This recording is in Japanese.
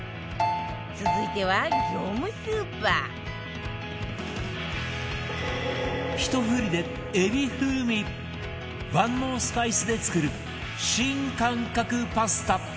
続いては業務スーパーひと振りでエビ風味万能スパイスで作る新感覚パスタ